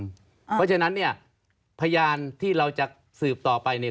เพราะฉะนั้นเนี่ยพยานที่เราจะสืบต่อไปเนี่ย